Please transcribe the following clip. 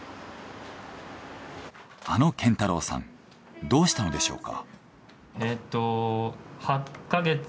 あの健太郎さんどうしたのでしょうか？